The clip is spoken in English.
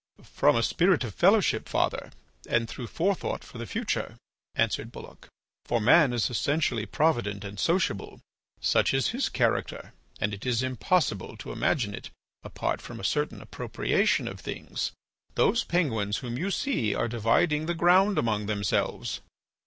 "From a spirit of fellowship, father, and through forethought for the future," answered Bulloch. "For man is essentially provident and sociable. Such is his character and it is impossible to imagine it apart from a certain appropriation of things. Those penguins whom you see are dividing the ground among themselves."